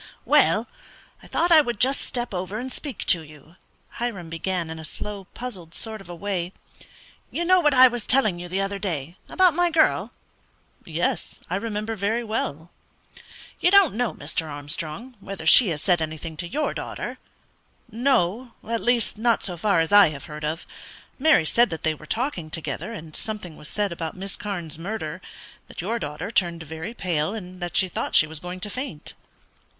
"Well, I thought I would just step over and speak to you," Hiram began, in a slow, puzzled sort of a way. "You know what I was telling you the other day about my girl?" "Yes; I remember very well." "You don't know, Mr. Armstrong, whether she has said anything to your daughter?" "No; at least not so far as I have heard of. Mary said that they were talking together, and something was said about Miss Carne's murder; that your daughter turned very pale, and that she thought she was going to faint."